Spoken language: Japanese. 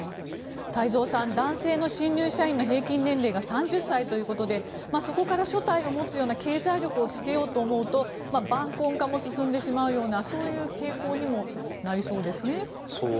太蔵さん男性の新入社員の平均年齢が３０歳ということでそこから所帯を持つような経済力をつけようと思うと晩婚化も進んでしまうようなそういう傾向にもなりそうですね。